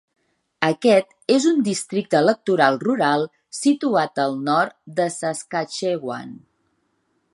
Aquest és un districte electoral rural situat al nord de Saskatchewan.